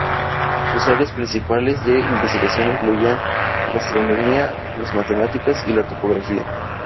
Sus áreas principales de investigación incluían la astronomía, las matemáticas y la topografía.